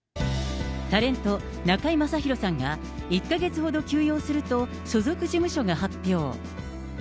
タレント、中居正広さんが、１か月ほど休養すると、所属事務所が発表。